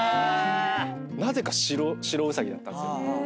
なぜか白ウサギだったんですよ。